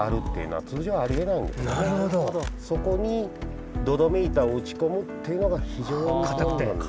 そこに土留め板を打ち込むっていうのが非常に困難。